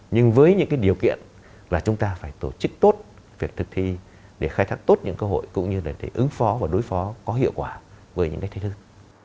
nhưng với những cái điều kiện là chúng ta phải tổ chức tốt việc thực thi để khai thác tốt những cơ hội cũng như để ứng phó và đối phó có hiệu quả với những cái thế thức